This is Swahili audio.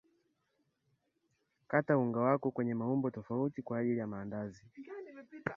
kata unga wako kwenye maumbo tofauti kwa aijli ya maandazi